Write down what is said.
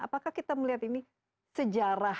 apakah kita melihat ini sejarah